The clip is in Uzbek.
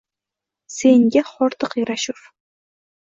Senga hordiq yarashur…